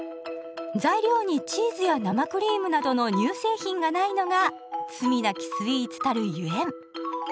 材料にチーズや生クリームなどの乳製品がないのが「罪なきスイーツ」たるゆえん。